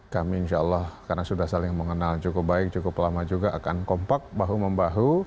kami insya allah karena sudah saling mengenal cukup baik cukup lama juga akan kompak bahu membahu